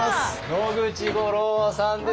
野口五郎さんです。